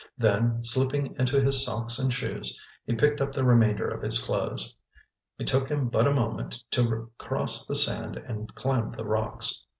Then, slipping into his socks and shoes, he picked up the remainder of his clothes. It took him but a moment to cross the sand and climb the rocks.